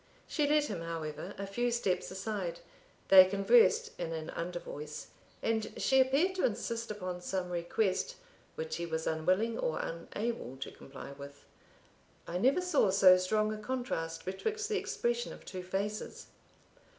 She led him, however, a few steps aside; they conversed in an under voice, and she appeared to insist upon some request which he was unwilling or unable to comply with. I never saw so strong a contrast betwixt the expression of two faces.